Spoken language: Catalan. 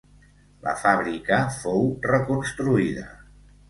La fàbrica fou reconstruïda.